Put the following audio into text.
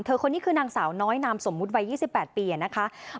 คนนี้คือนางสาวน้อยนามสมมุติวัย๒๘ปีนะคะ